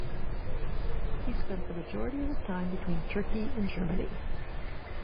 He spent the majority of his time between Turkey and Germany.